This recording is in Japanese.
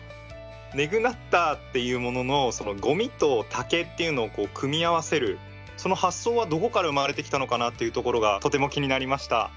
ネグナッターっていうもののそのごみと竹っていうのを組み合わせるその発想はどこから生まれてきたのかなっていうところがとても気になりました。